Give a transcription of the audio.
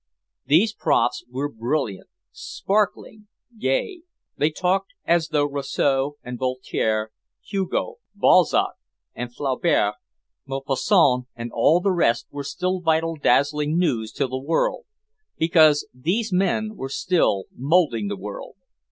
These profs were brilliant, sparkling, gay. They talked as though Rousseau and Voltaire, Hugo, Balzac and Flaubert, Maupassant and all the rest were still vital dazzling news to the world, because these men were still molding the world.